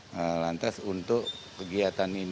nah lantas untuk kegiatan ini